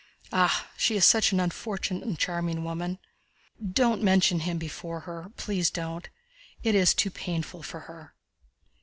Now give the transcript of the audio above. "Ah, she is such an unfortunate and charming woman! Don't mention him before her—please don't! It is too painful for her!"